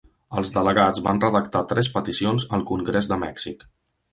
Els delegats van redactar tres peticions al Congrés de Mèxic.